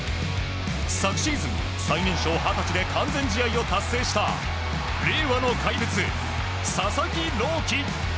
昨シーズン、最年少二十歳で完全試合を達成した令和の怪物・佐々木朗希。